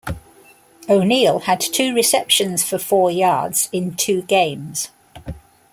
O'Neal had two receptions, for four yards, in two games.